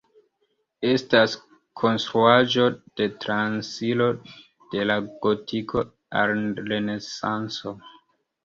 Estas konstruaĵo de transiro de la Gotiko al Renesanco.